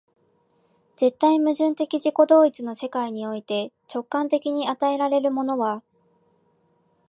絶対矛盾的自己同一の世界において、直観的に与えられるものは、